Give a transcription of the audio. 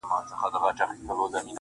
• چا پیران اوچا غوثان را ننګوله -